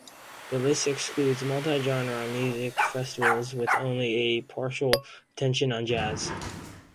This list excludes multi-genre music festivals with only a partial attention on jazz.